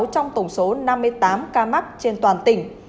trong tổng số năm mươi tám ca mắc trên toàn tỉnh